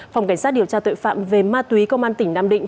phòng cảnh sát điều tra tội phạm về ma túy công an tỉnh nam định